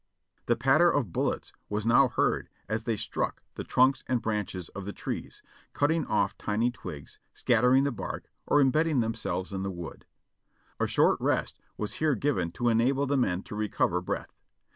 The patter of bullets was now heard as they struck the trunks and branches of the trees, cutting off tiny twigs, scattering the bark or imbedding themselves in the wood. A short rest was here given to enable the men to recover breath.